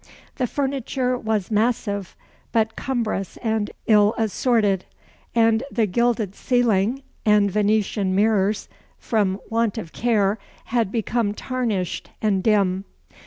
The furniture was massive, but cumbrous and ill assorted; and the gilded ceiling and Venetian mirrors, from want of care, had become tarnished and dim.